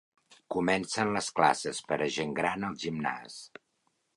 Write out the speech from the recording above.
Comencen les classes per a gent gran al gimnàs.